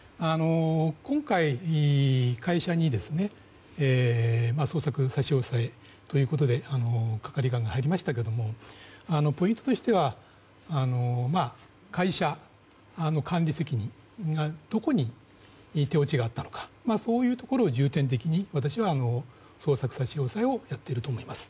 今回、会社に捜索差し押さえということで係官が入りましたけどもポイントとしては会社、管理責任がどこに手落ちがあったのかそういうところを重点的に私は捜索差し押さえをやっていると思います。